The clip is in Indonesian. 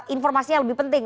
informasinya lebih penting